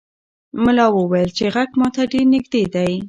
ملا وویل چې غږ ماته ډېر نږدې دی.